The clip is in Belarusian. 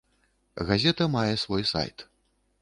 Газета мае свой сайт.